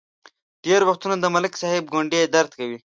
ډېر وختونه د ملک صاحب ګونډې درد کوي.